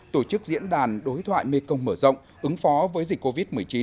tổ chức diễn đàn đối thoại mê công mở rộng ứng phó với dịch covid một mươi chín